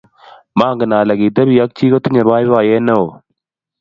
Mangen ale ketibi ak chii kotinye boiboiye ne oo.